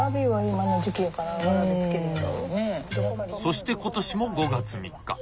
そして今年も５月３日。